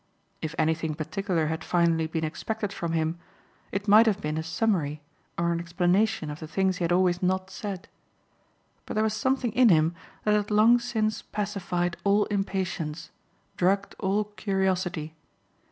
If anything particular had finally been expected from him it might have been a summary or an explanation of the things he had always not said; but there was something in him that had long since pacified all impatience, drugged all curiosity.